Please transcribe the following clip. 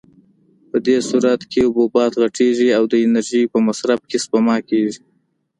په دې صورت کې حبوبات غټېږي او د انرژۍ په مصرف کې سپما کېږي.